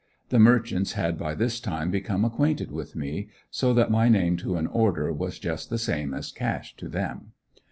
The merchants had by this time, become acquainted with me, so that my name to an order was just the same as cash to them.